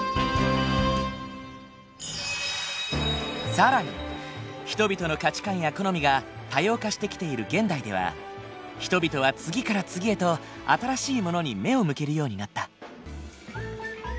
更に人々の価値観や好みが多様化してきている現代では人々は次から次へと新しいものに目を向けるようになった。